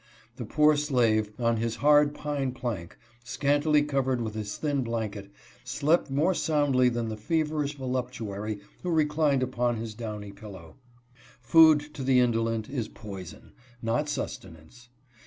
The poor slave, on his hard pine plank, scantily covered with his thin blanket, slept more soundly than the feverish voluptuary who reclined upon his downy pillow. Pood to the indolent is poison, not sustenance.